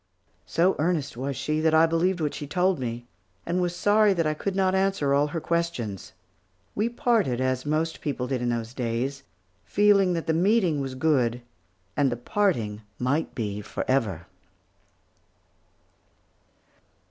So earnest was she, that I believed what she told me, and was sorry that I could not answer all her questions. We parted as most people did in those days, feeling that the meeting was good, and the parting might be forever.